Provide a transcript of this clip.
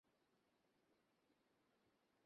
এর সনদ উত্তম।